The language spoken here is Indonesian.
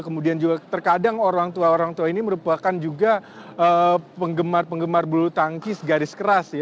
kemudian juga terkadang orang tua orang tua ini merupakan juga penggemar penggemar bulu tangkis garis keras ya